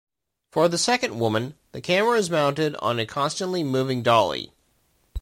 For the second woman, the camera is mounted on a constantly moving dolly.